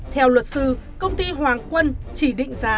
theo luật sư công ty hoàng quân chỉ định giá